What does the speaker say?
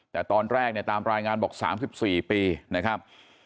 แต่ตอนแรกเนี่ยตามรายงานบอก๓๔ปีนะครับ